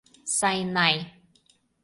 Сайнай.